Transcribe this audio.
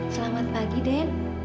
selamat pagi den